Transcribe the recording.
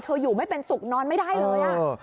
อยู่ไม่เป็นสุขนอนไม่ได้เลย